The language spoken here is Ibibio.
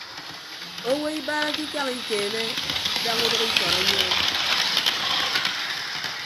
Owo ibarake ikañ ikeene daña udʌk ikọt ọnyọọñ.